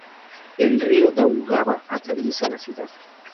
El río Daugava atraviesa la ciudad.